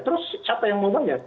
terus siapa yang mau bayar